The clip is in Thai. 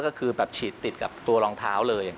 ก็คือแบบฉีดติดกับตัวรองเท้าเลย